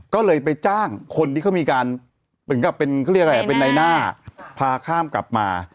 ก็เลยไปจ้างคนที่เขามีการเป็นไหนหน้าพาข้ามกลับมา